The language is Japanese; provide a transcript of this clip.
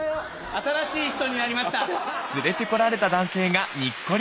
・新しい人になりました。